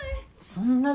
そんなに？